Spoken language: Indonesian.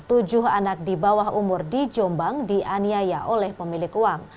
tujuh anak di bawah umur di jombang dianiaya oleh pemilik uang